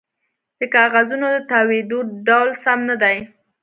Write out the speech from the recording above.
د کاغذونو د تاویدو ډول سم نه دی